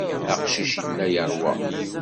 Aqcic yella yeṛwa.